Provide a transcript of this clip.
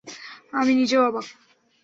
আমি নিজেও অবাক।